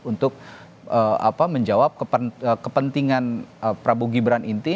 untuk menjawab kepentingan prabu gibran inti